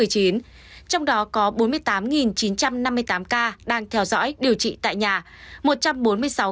trong đó có bốn mươi tám chín trăm năm mươi tám ca đang theo dõi điều trị tại nhà